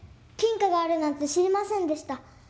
金貨があるなんて知りませんでした。